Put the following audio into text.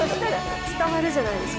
伝わるじゃないですか。